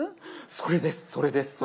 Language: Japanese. それですそれです。